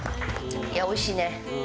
いやおいしいね。